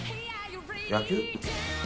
野球？